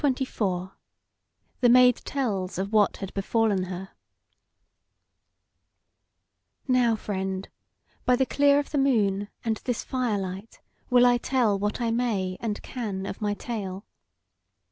CHAPTER XXIV: THE MAID TELLS OF WHAT HAD BEFALLEN HER "Now, friend, by the clear of the moon and this firelight will I tell what I may and can of my tale.